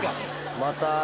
また。